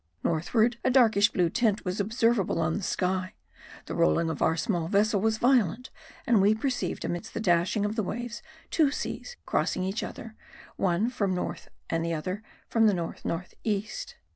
Northward a darkish blue tint was observable on the sky, the rolling of our small vessel was violent and we perceived amidst the dashing of the waves two seas crossing each other, one the from north and the other from north north east.